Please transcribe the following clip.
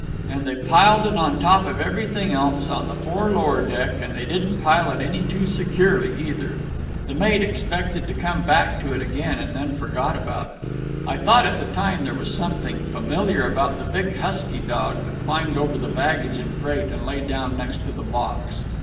And they piled it on top of everything else on the fore lower deck, and they didn't pile it any too securely either. The mate expected to come back to it again, and then forgot about it. I thought at the time that there was something familiar about the big husky dog that climbed over the baggage and freight and lay down next to the box.